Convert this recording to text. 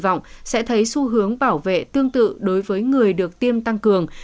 kỳ vọng sẽ thấy xu hướng bảo vệ tương tự đối với người được tiêm tăng cường